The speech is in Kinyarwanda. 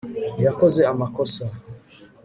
yakoze amakosa